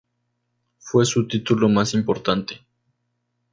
Fue su título más importante.